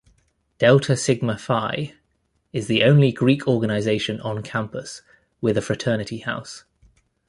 Delta Sigma Phi is the only Greek organization on campus with a fraternity house.